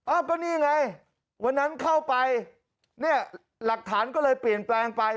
ก็นี่ไงวันนั้นเข้าไปเนี่ยหลักฐานก็เลยเปลี่ยนแปลงไป